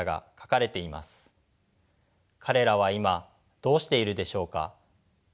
彼らは今どうしているでしょうか？